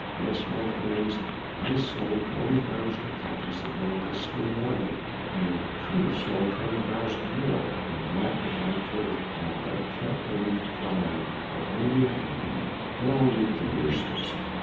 Yes, my friends, I sold twenty thousand copies of them this here morning, and could of sold twenty thousand more than that if I could of but kept from crying only a ha'penny! but I'll read the werses.